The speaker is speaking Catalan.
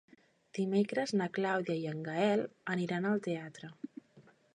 Dimecres na Clàudia i en Gaël aniran al teatre.